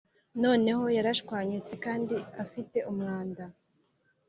noneho yarashwanyutse kandi afite umwanda,